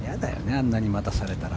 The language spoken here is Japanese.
あれだけ待たされたら。